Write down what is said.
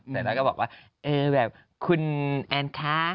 แม่ก็บอกว่าเออแบบคุณแอนค่ะ